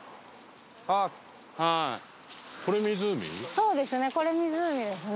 そうですね。